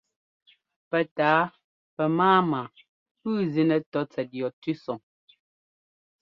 Pɛtǎa pɛmáama pʉ́ʉ zínɛ́ tɔ́ tsɛt yɔ tʉ́sɔŋ.